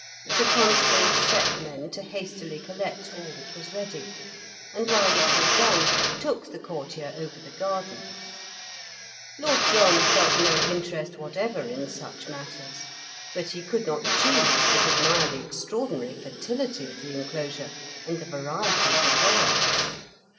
Sir Constans set men to hastily collect all that was ready, and while this was done took the courtier over the gardens. Lord John felt no interest whatever in such matters, but he could not choose but admire the extraordinary fertility of the enclosure, and the variety of the products.